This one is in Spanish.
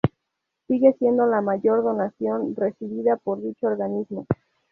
Sigue siendo la mayor donación recibida por dicho organismo.